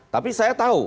tapi saya tahu